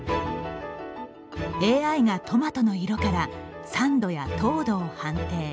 ＡＩがトマトの色から酸度や糖度を判定。